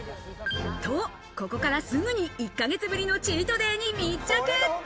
と、ここから、すぐに１ヶ月ぶりのチートデイに密着。